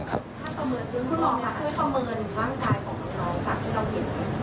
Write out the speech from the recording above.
ถ้าคำเมินเรื่องผู้น้องอยากช่วยคำเมินหรือหลังกายของคุณน้อง